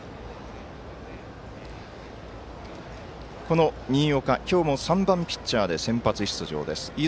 この新岡、今日も３番ピッチャーで先発出場です。